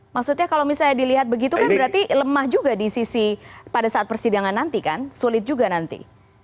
maksudnya kalau misalnya dilihat begitu kan berarti lemah juga di sisi pada saat persidangan nanti kan sulit juga nanti